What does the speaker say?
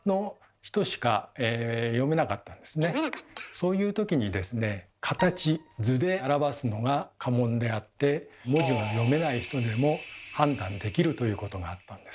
そういう時にですね形・図で表すのが家紋であって文字が読めない人でも判断できるということがあったんです。